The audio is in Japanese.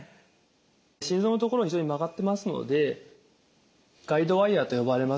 心臓の所非常に曲がってますのでガイドワイヤーと呼ばれます